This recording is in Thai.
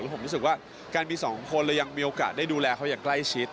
ผมรู้สึกว่าการมีสองคนเรายังมีโอกาสได้ดูแลเขาอย่างใกล้ชิด